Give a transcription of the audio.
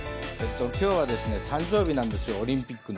きょうは誕生日なんですよ、オリンピックの。